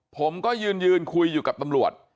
ผมก็ยืนคุยอยู่กับตำรวจ